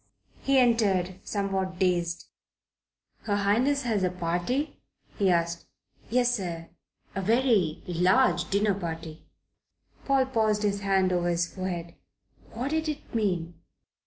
He entered, somewhat dazed. "Her Highness has a party?" he asked. "Yes, sir. A very large dinner party." Paul passed his hand over his forehead. What did it mean?